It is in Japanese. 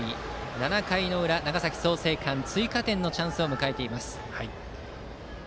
７回裏、長崎・創成館追加点のチャンスを迎えています。